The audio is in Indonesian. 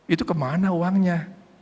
itu kemana uangnya